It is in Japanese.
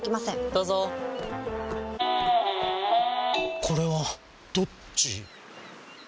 どうぞこれはどっち？